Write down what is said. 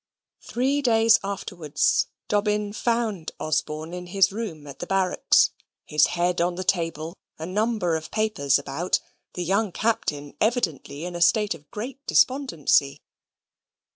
Three days afterwards, Dobbin found Osborne in his room at the barracks his head on the table, a number of papers about, the young Captain evidently in a state of great despondency.